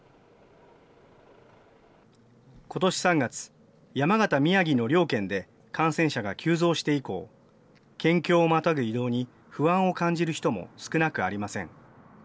ことし３月、山形、宮城の両県で感染者が急増して以降、県境をまたぐ移動に不安を感じる人も少なくありません。